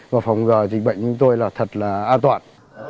và phòng dịch bệnh của chúng tôi là thật là an toàn